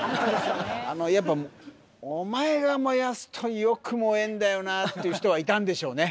やっぱお前が燃やすとよく燃えんだよなっていう人はいたんでしょうね。